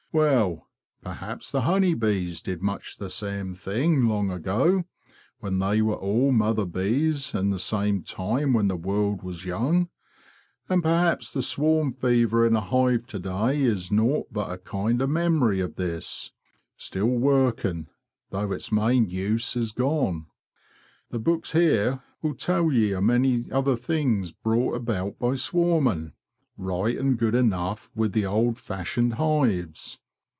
Well, perhaps the honey bees did much the same thing long ago, when they were all mother bees, in the time when the world was young. And perhaps the swarm fever in a hive to day is naught but a kind o' memory of this, still working, though its main use is gone. The books here will tell ye o' many other things brought about by swarming, right an' good enough with the old fashioned hives.